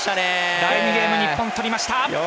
第２ゲーム、日本とりました！